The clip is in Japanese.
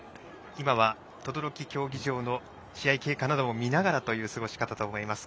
今は等々力競技場の試合経過なども見ながらという過ごし方だと思います。